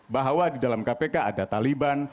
bahwa di dalam kpk ada taliban